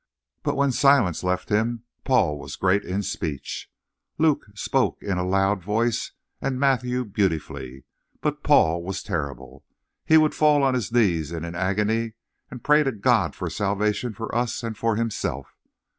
"But when silence left him, Paul was great in speech. Luke spoke in a loud voice and Matthew beautifully, but Paul was terrible. He would fall on his knees in an agony and pray to God for salvation for us and for himself.